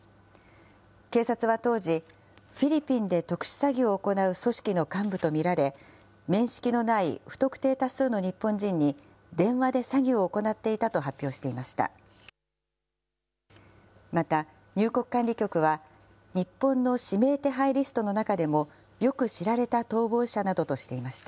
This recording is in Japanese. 警察は当時、フィリピンで特殊詐欺を行う組織の幹部と見られ、面識のない不特定多数の日本人に電話で詐欺を行っていたと発表していました。